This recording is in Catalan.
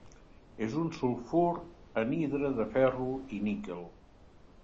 És un sulfur anhidre de ferro i níquel.